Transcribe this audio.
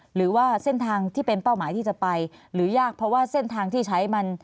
หรือว่าเส้นทางที่เป็นเป้าหมายที่จะไปหรือยากเพราะว่าเส้นทางที่ใช้มัน